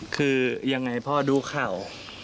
คือยังไงพ่อดูข่าว